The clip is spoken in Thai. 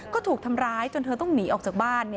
ก็ถูกทำร้ายจนเธอต้องหนีออกจากบ้าน